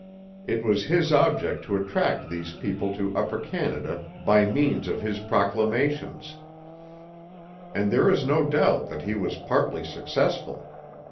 It was his object to attract these people to Upper Canada by means of his proclamations; and there is no doubt that he was partly successful.